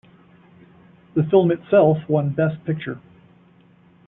The film itself won Best Picture.